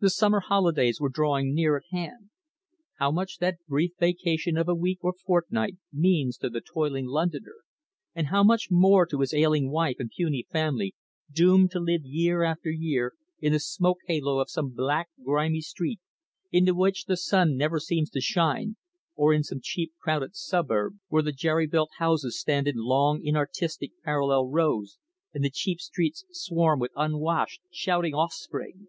The summer holidays were drawing near at hand. How much that brief vacation of a week or fortnight means to the toiling Londoner! and how much more to his ailing wife and puny family, doomed to live year after year in the smoke halo of some black, grimy street into which the sun never seems to shine, or in some cheap, crowded suburb where the jerry built houses stand in long, inartistic, parallel rows and the cheap streets swarm with unwashed, shouting offspring!